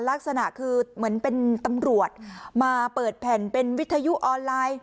ลักษณะคือเหมือนเป็นตำรวจมาเปิดแผ่นเป็นวิทยุออนไลน์